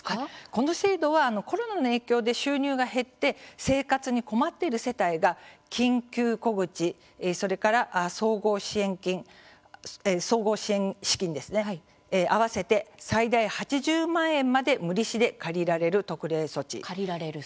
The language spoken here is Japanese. この制度はコロナの影響で収入が減って生活に困っている世帯が緊急小口それから総合支援資金合わせて最大８０万円まで無利子で借りられる特例措置。